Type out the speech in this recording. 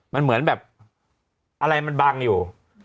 มันเหมือนแบบอะไรมันบังอยู่